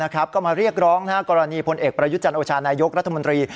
ก็มาเรียกร้องกรณีพลเอกประยุจันทร์โอชานายกรัฐมนตรี